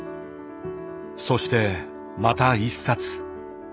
そしてまた一冊。